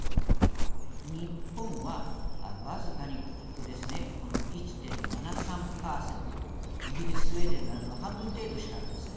日本は僅かにここですね１．７％イギリス、スウェーデンなどの半分程度しかありません。